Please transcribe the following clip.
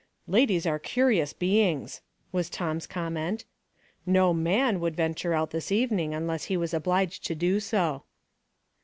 "Ladies are cuiions beings," was Tom's com ment. *'No man would venture out this even ing unless he was obliged to do so."